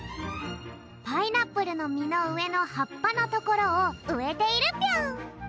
パイナップルのみのうえのはっぱのところをうえているぴょん。